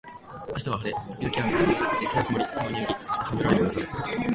明日は晴れ、時々雨、実際は曇り、たまに雪、そしてハブられるみぞれ